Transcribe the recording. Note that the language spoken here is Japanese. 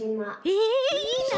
えいいな！